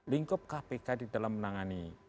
lingkup kpk di dalam menangani